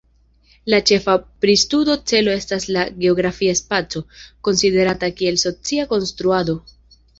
La ĉefa pristudo celo estas la geografia spaco, konsiderata kiel socia konstruado.